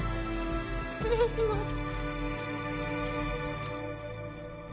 失礼します。